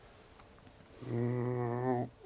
うん。